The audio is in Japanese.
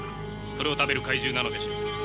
それを食べる怪獣なのでしょう。